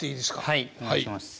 はいお願いします。